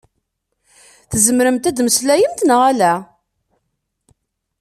Tzemremt ad mmeslayemt neɣ ala?